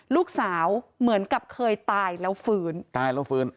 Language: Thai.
ลูกสาวเหมือนกับเคยตายแล้วฟื้นตายแล้วฟื้น